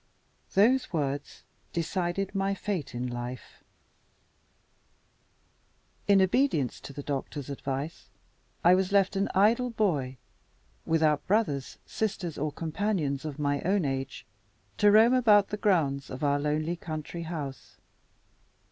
Those words decided my fate in life. In obedience to the doctor's advice, I was left an idle boy without brothers, sisters, or companions of my own age to roam about the grounds of our lonely country house.